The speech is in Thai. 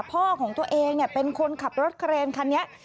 พ่อของตัวเองเป็นคนขับรถเครนคันนี้